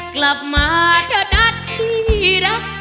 กลับมาเถอะนัดที่รัก